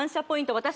ポイント